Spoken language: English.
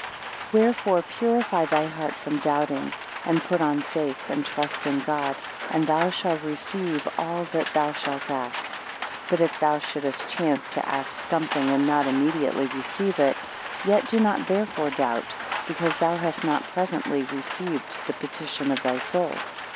6 Wherefore purify thy heart from doubting, and put on faith, and trust in God, and thou shall receive all that thou shalt ask. But if thou shouldest chance to ask something, and not immediately receive it, yet do not therefore doubt, because thou hast not presently received the petition of thy soul.